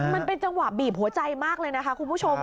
มันเป็นจังหวะบีบหัวใจมากเลยนะคะคุณผู้ชม